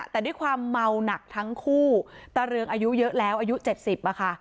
แต่ด้วยความเมาหนักทั้งคู่ตาเรืองอายุเยอะแล้วอายุ๗๐อะค่ะ